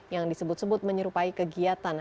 yang disebut sebut menyerupai kegiatan